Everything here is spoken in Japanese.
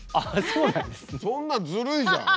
そんなずるいじゃん！